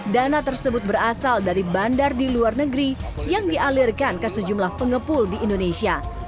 dana tersebut berasal dari bandar di luar negeri yang dialirkan ke sejumlah pengepul di indonesia